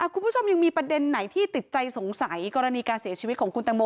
คุณผู้ชมยังมีประเด็นไหนที่ติดใจสงสัยกรณีการเสียชีวิตของคุณตังโม